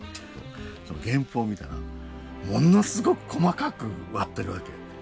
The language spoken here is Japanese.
原譜を見たらものすごく細かく割ってるわけ。